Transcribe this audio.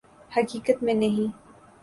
حقیقت میں نہیں